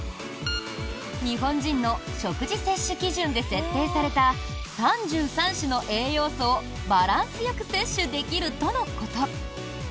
日本人の食事摂取基準で設定された３３種の栄養素をバランスよく摂取できるとのこと。